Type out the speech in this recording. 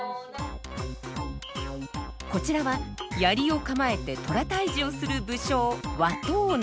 こちらは槍を構えて虎退治をする武将和藤内。